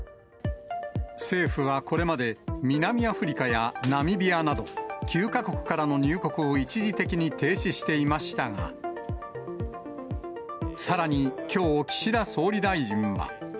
政府はこれまで、南アフリカやナミビアなど、９か国からの入国を一時的に停止していましたが、さらにきょう、岸田総理大臣は。